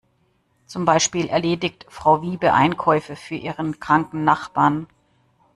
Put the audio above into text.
Zum Beispiel erledigt Frau Wiebe Einkäufe für ihren kranken Nachbarn.